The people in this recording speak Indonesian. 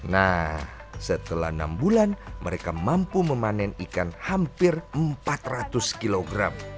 nah setelah enam bulan mereka mampu memanen ikan hampir empat ratus kg